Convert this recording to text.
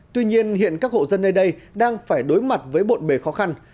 tuy nhiên hiện các hộ dân nơi đây đang phải đối mặt với bộn bề khó khăn